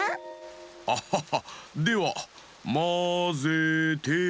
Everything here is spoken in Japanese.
アッハッハではまぜて。